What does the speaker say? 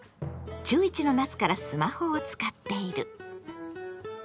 中１の夏からスマホを使っている。